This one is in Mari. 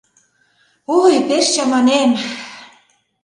— Ой, пеш чаманем!